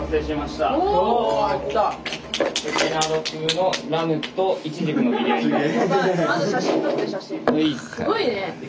すごいね！